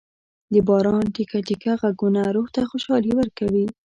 د باران ټېکه ټېکه ږغونه روح ته خوشالي ورکوي.